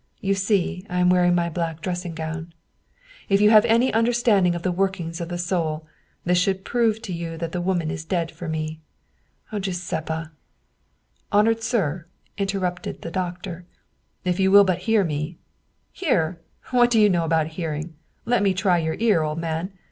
You see I am wearing my black dressing gown. If you have any understanding of the workings of the soul, this should prove to you that that woman is dead for me. Oh, Giu seppa!" " Honored sir," interrupted the doctor, " if you will but hear me " "Hear? What do you know about hearing? Let me try your ear, old man!